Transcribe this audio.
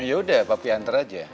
yaudah papi antar aja